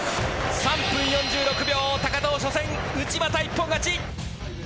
３分４６秒、高藤、初戦、内股一本勝ち。